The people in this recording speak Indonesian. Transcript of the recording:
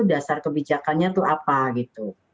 dasar kebijakannya itu apa gitu